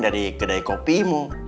dari kedai kopimu